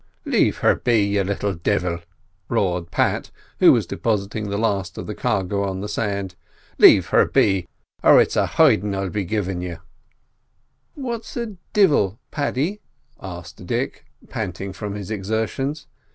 "Lave her be, you little divil!" roared Pat, who was depositing the last of the cargo on the sand. "Lave her be, or it's a cow hidin' I'll be givin' you!" "What's a 'divil,' Paddy?" asked Dick, panting from his exertions.